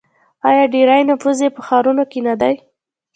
آیا ډیری نفوس یې په ښارونو کې نه دی؟